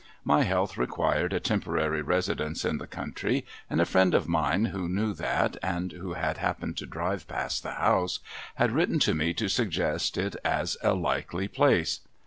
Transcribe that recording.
My health required a temporary residence in the country ; and a friend of mine who knew that, and who had happened to drive past the house, had written to me to suggest it as a likely place.